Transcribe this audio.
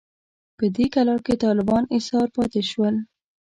په دې کلا کې طالبان ایسار پاتې شول.